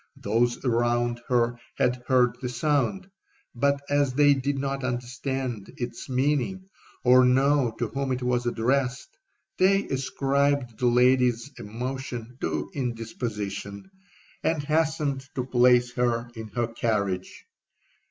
Those around her had heard the sound,—but as they did not understand its meaning, or know to whom it was addressed, they ascribed the lady's emotion to indisposition, and hastened to place her in her carriage.